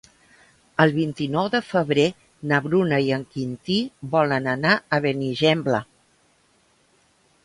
El vint-i-nou de febrer na Bruna i en Quintí volen anar a Benigembla.